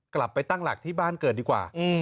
กลับไปตั้งหลักที่บ้านเกิดดีกว่า